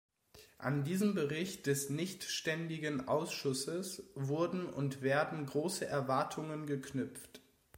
An diesen Bericht des nichtständigen Ausschusses wurden und werden große Erwartungen geknüpft.